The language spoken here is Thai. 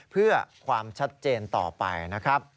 เพื่อความชัดเจนต่อไปนะครับ